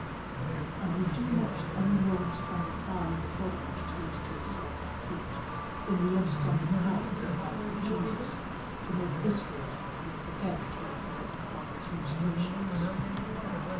And we do not any more understand the power in the body which takes to itself that food, than we understand the power going out from Jesus to make this girl's body capable of again employing its ministrations.